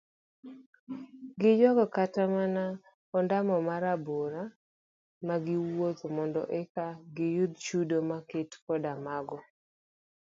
Giyuago kata mana ondamo marabora magiwuotho mondo eka giyud chudo maket kod mago